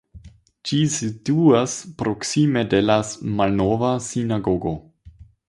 Ĝi situas proksime de la malnova sinagogo.